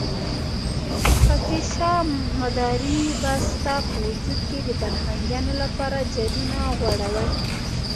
خاکيشاه مداري به ستا په وجود کې د فرهنګيانو لپاره جالونه غوړول.